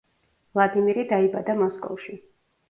ვლადიმირი დაიბადა მოსკოვში.